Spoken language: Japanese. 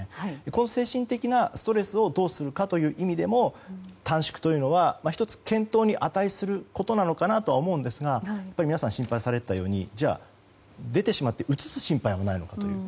この精神的なストレスをどうするかという意味でも短縮というのは１つ検討に値することなのかなと思うんですがやはり皆さん心配されてたようにじゃあ、出てしまってうつす心配はないのかという。